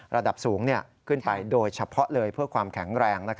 ระดับสูงขึ้นไปโดยเฉพาะเลยเพื่อความแข็งแรง